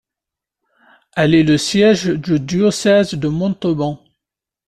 Elle est le siège du diocèse de Montauban.